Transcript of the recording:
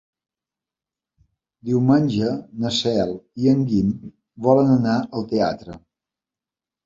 Diumenge na Cel i en Guim volen anar al teatre.